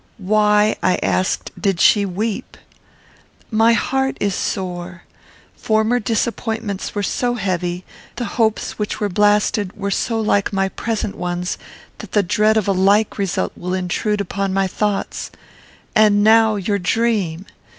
Why, I asked, did she weep? "My heart is sore. Former disappointments were so heavy; the hopes which were blasted were so like my present ones, that the dread of a like result will intrude upon my thoughts. And now your dream!